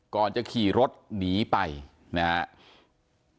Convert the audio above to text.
ก่อนจะขี่รถหนีไปนะครับ